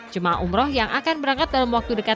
jemaah umroh yang akan berangkat dalam waktu dekat